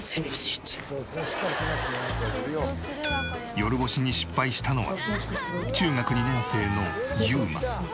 夜干しに失敗したのは中学２年生の侑真。